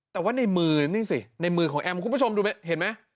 แต่ว่าในมือนี่สิในมือของแอมคุณผู้ชมดูเห็นไหม